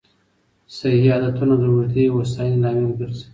صحي عادتونه د اوږدې هوساینې لامل ګرځي.